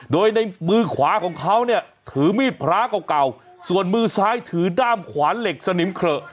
โดยในมือขวาของเขาเนี่ยถือมีดพระเก่าเก่าส่วนมือซ้ายถือด้ามขวานเหล็กสนิมเขละ